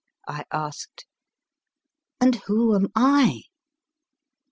I asked. "And who am I?"